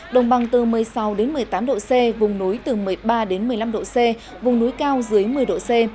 đồng bằng từ một mươi sáu đến một mươi tám độ c vùng núi từ một mươi ba đến một mươi năm độ c vùng núi cao dưới một mươi độ c